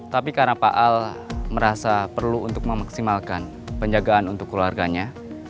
tapi karena pak al merasa perlu untuk memaksimalkan penjagaan untuk keluarganya